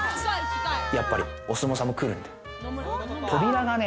お相撲さんも来るんで、扉がね。